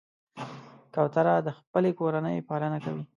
کوتره د خپلې کورنۍ پالنه کوي.